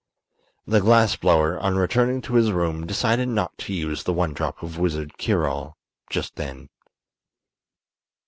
The glass blower, on returning to his room, decided not to use the one drop of wizard cure all just then.